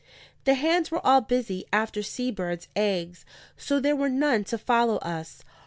The hands were all busy after sea birds' eggs, so there were none to follow us.